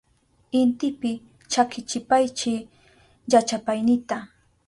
Intipi chakichipaychi llachapaynita.